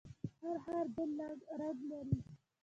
هر ښار بیل رنګ لري.